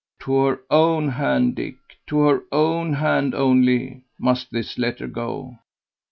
To her own hand, Dick, to her own hand only, must this letter go.